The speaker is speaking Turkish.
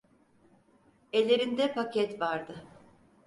Ellerinde paket vardı.